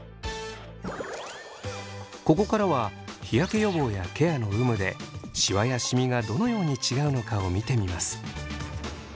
ここからは日焼け予防やケアの有無でシワやシミがどのように違うのかを見てみます。